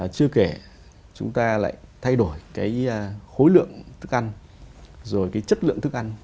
chưa kể chúng ta lại thay đổi cái khối lượng thức ăn rồi cái chất lượng thức ăn